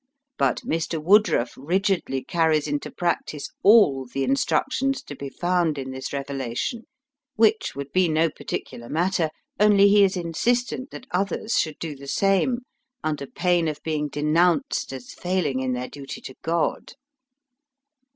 But Mr. Woodruff rigidly carries into practice all the instructions to be found in this revelation, which would be no particular matter, only he is insistent that others should do the same under pain of being denounced as failing in their duty to God.